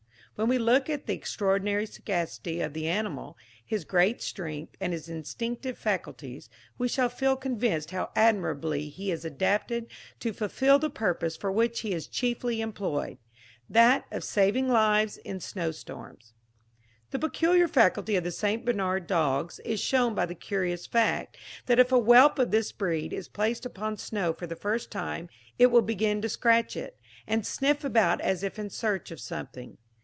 When we look at the extraordinary sagacity of the animal, his great strength, and his instinctive faculties, we shall feel convinced how admirably he is adapted to fulfil the purpose for which he is chiefly employed, that of saving lives in snow storms. The peculiar faculty of the St. Bernard dogs is shown by the curious fact, that if a whelp of this breed is placed upon snow for the first time, it will begin to scratch it, and sniff about as if in search of something.